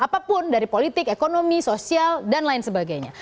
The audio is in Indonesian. apapun dari politik ekonomi sosial dan lain sebagainya